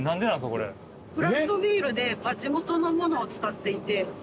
クラフトビールで地元のものを使っていて。